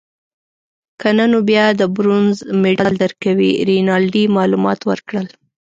که نه نو بیا د برونزو مډال درکوي. رینالډي معلومات ورکړل.